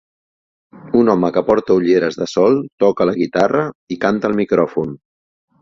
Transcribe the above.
Un home que porta ulleres de sol toca la guitarra i canta al micròfon.